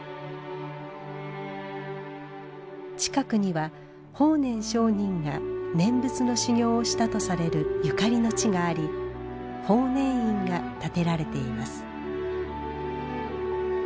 近くには法然上人が念仏の修行をしたとされるゆかりの地があり法然院が建てられています。